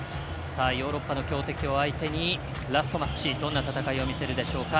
ヨーロッパの強敵を相手にラストマッチ、どんな戦いを見せるでしょうか。